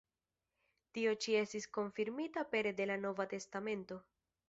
Tio ĉi estis konfirmita pere de la Nova Testamento.